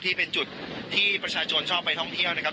ที่เป็นจุดที่ประชาชนชอบไปท่องเที่ยวนะครับ